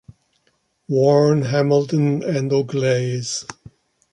Warren, Hamilton and Auglaize.